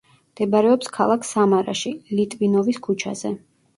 მდებარეობს ქალაქ სამარაში ლიტვინოვის ქუჩაზე.